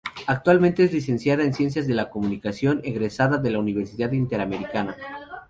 Actualmente es Licenciada en Ciencias de la Comunicación egresada de la Universidad Interamericana.